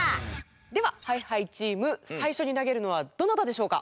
ではＨｉＨｉチーム最初に投げるのはどなたでしょうか？